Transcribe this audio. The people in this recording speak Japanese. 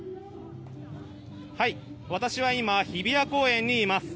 私は今日比谷公園にいます。